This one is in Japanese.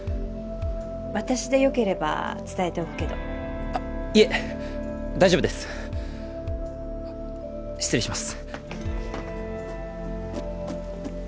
私でよければ伝えておくけどあっいえ大丈夫です失礼します